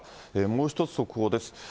もう１つ速報です。